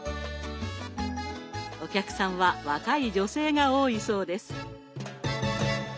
お客さんは若い女性が多いそうです。